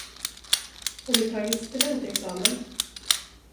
Har du tagit studentexamen?